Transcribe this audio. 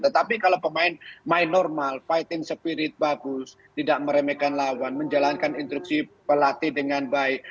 tetapi kalau pemain main normal fighting spirit bagus tidak meremehkan lawan menjalankan instruksi pelatih dengan baik